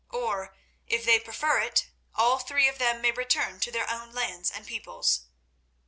Or, if they prefer it, all three of them may return to their own lands and peoples.